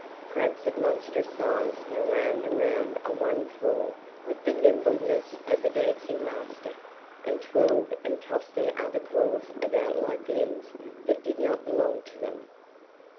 Crabs of monstrous size spun round and round on one claw with the nimbleness of a dancing master, and twirled and tossed their other claws about like limbs that did not belong to them.